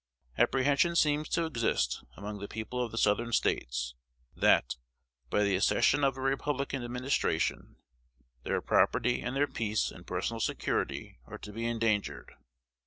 Apprehension seems to exist among the people of the Southern States, that, by the accession of a Republican administration, their property and their peace and personal security are to be endangered.